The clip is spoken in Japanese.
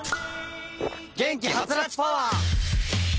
元気ハツラツパワー！